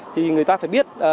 thì người ta phải biết